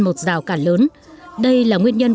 một rào cản lớn đây là nguyên nhân